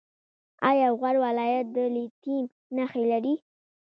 آیا غور ولایت د لیتیم نښې لري؟